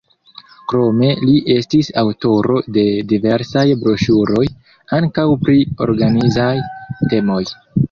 Krome li estis aŭtoro de diversaj broŝuroj, ankaŭ pri organizaj temoj.